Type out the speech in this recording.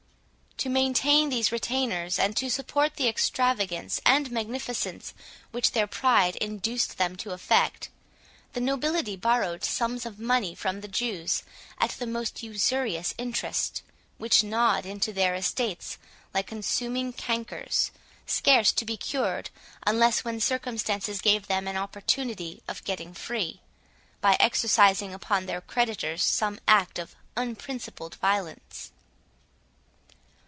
To maintain these retainers, and to support the extravagance and magnificence which their pride induced them to affect, the nobility borrowed sums of money from the Jews at the most usurious interest, which gnawed into their estates like consuming cankers, scarce to be cured unless when circumstances gave them an opportunity of getting free, by exercising upon their creditors some act of unprincipled violence.